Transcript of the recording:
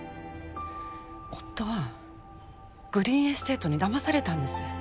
夫はグリーンエステートにだまされたんです